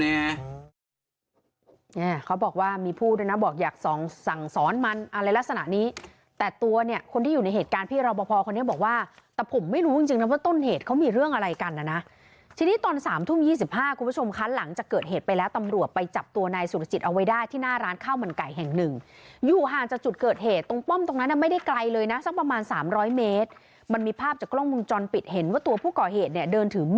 เนี่ยเขาบอกว่ามีผู้ด้วยนะบอกอยากส่องสั่งสอนมันอะไรลักษณะนี้แต่ตัวเนี่ยคนที่อยู่ในเหตุการณ์พี่เราพอคนนี้บอกว่าแต่ผมไม่รู้จริงนะว่าต้นเหตุเขามีเรื่องอะไรกันนะนะที่นี่ตอนสามทุ่มยี่สิบห้าคุณผู้ชมครั้งหลังจะเกิดเหตุไปแล้วตำรวจไปจับตัวนายสุรจิตเอาไว้ได้ที่หน้าร้านข้าวมันไก่แห่งหนึ่งอยู่ห่างจากจุดเ